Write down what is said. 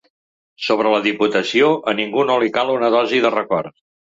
Sobre la diputació, a ningú no li cal una dosi de record.